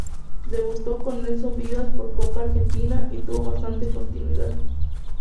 Debutó con Nelson Vivas por Copa Argentina, y tuvo bastante continuidad.